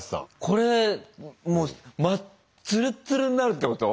これもうつるっつるっになるってこと？